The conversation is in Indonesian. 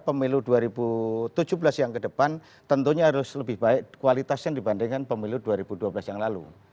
pemilu dua ribu tujuh belas yang ke depan tentunya harus lebih baik kualitasnya dibandingkan pemilu dua ribu dua belas yang lalu